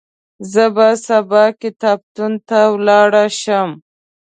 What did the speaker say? زه به سبا کتابتون ته ولاړ شم.